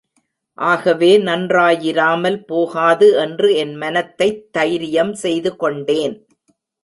ஆகவே நன்றாயிராமல் போகாது என்று என் மனத்தைத் தைரியம் செய்து கொண்டேன்.